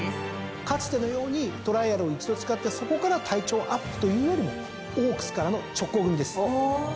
かつてのようにトライアルを一度使ってそこから体調アップというよりもオークスからの直行組です。